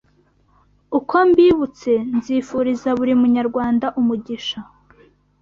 Uko mbibutse nzifuriza buri munyarwanda umugisha